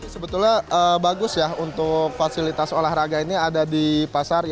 sebetulnya bagus ya untuk fasilitas olahraga ini ada di pasar